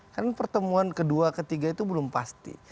kan pertemuan kedua ketiga itu belum pasti